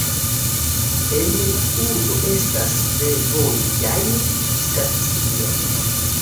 En la urbo estas fervojaj stacioj.